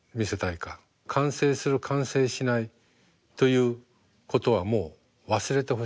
完成する完成しないということはもう忘れてほしい。